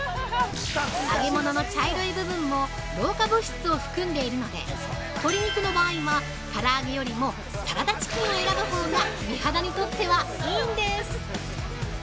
揚げものの茶色い部分も老化物質を含んでいるので鶏肉の場合は、から揚げよりもサラダチキンを選ぶほうが美肌にとってはいいんです。